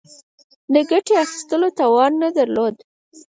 د ګټې اخیستلو توان نه درلود.